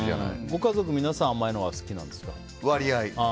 ご家族皆さん甘いのが好きなんですか？割合。